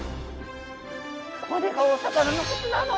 これがお魚の口なの？